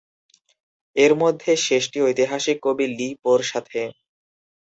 এর মধ্যে শেষটি ঐতিহাসিক কবি লি পোর সাথে।